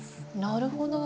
なるほど。